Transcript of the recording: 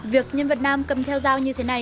việc nhân vật nam cầm theo dao như thế này